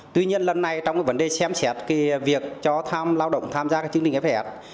tuy nhiên lần này trong vấn đề xem xét việc cho tham lao động tham gia chương trình fhf